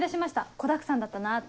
子だくさんだったなって。